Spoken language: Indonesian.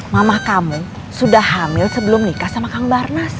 mamah kamu sudah hamil sebelum nikah sama kang barnas